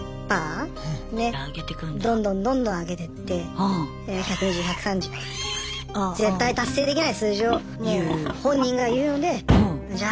どんどんどんどん上げてって絶対達成できない数字をもう本人が言うのでじゃあ